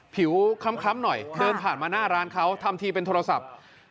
ผิวคล้ำหน่อยเดินผ่านมาหน้าร้านเขาทำทีเป็นโทรศัพท์